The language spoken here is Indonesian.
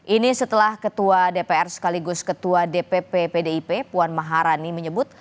ini setelah ketua dpr sekaligus ketua dpp pdip puan maharani menyebut